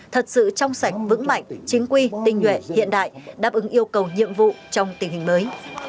thật sự trong sạch vững mạnh chính quy tinh nhuệ hiện đại đáp ứng yêu cầu nhiệm vụ trong tình hình mới